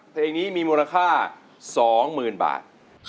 เพลงนี้มีมูลค่าสองหมื่นบาท